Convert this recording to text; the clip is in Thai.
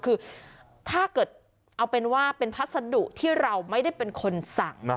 คือถ้าเกิดเอาเป็นว่าเป็นพัสดุที่เราไม่ได้เป็นคนสั่ง